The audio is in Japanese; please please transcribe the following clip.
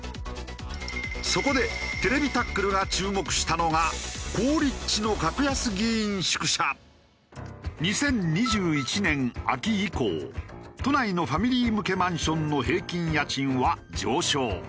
そこで『ＴＶタックル』が注目したのが２０２１年秋以降都内のファミリー向けマンションの平均家賃は上昇。